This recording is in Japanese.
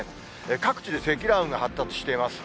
各地で積乱雲が発達しています。